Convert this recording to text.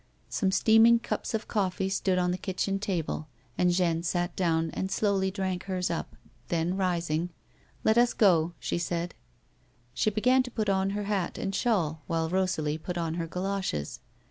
Some steaming cups of coftce stood on the kitchen table, and Jeanne sat down and slowly drank hers up ; then, risinc;; A WOMAN'S LIFE. 223 " Let us go," she said. She began to put on her hat and shawl, while Rosalie put on her goloshes.